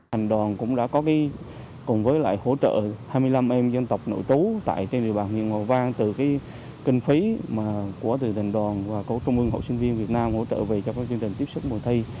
thành đoàn cũng đã có cùng với lại hỗ trợ hai mươi năm em dân tộc nội trú tại trên địa bàn nguyễn ngọc văn từ kinh phí của thành đoàn và cổ trung ương hậu sinh viên việt nam hỗ trợ về các chương trình tiếp xúc mùa thi